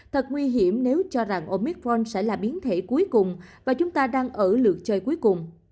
thật nguy hiểm nếu cho rằng omitron sẽ là biến thể cuối cùng và chúng ta đang ở lượt chơi cuối cùng